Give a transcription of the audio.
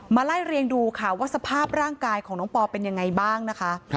ไล่เรียงดูค่ะว่าสภาพร่างกายของน้องปอเป็นยังไงบ้างนะคะ